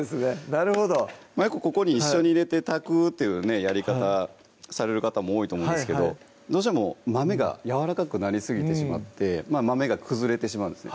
なるほどよくここに一緒に入れて炊くっていうやり方される方も多いと思うんですけどどうしても豆がやわらかくなりすぎてしまって豆が崩れてしまうんですね